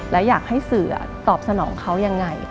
และอยากให้สื่อตอบสนองเขายังไง